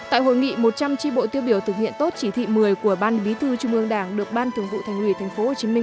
tại hội nghị một trăm linh tri bộ tiêu biểu thực hiện tốt chỉ thị một mươi của ban bí thư trung ương đảng được ban thường vụ thành ủy tp hcm